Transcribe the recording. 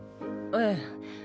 ええ。